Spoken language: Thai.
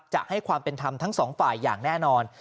จะให้ความเป็นธรรมทั้งสองฝ่ายอย่างแน่นอน